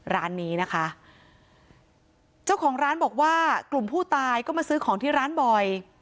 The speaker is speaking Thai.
ร้านนี้นะคะเจ้าของร้านบอกว่ากลุ่มผู้ตายก็มาซื้อของที่ร้านบ่อย